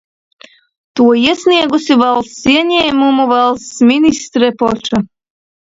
To iesniegusi valsts ieņēmumu valsts ministre Poča.